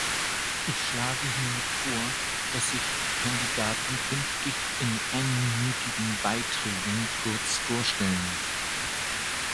Ich schlage hiermit vor, dass sich die Kandidaten künftig in einminütigen Beiträgen kurz vorstellen.